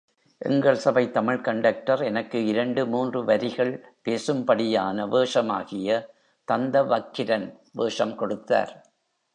எங்கள் சபை தமிழ் கண்டக்டர் எனக்கு இரண்டு மூன்று வரிகள் பேசும்படியான வேஷமாகிய தந்தவக்கிரன் வேஷம் கொடுத்தார்!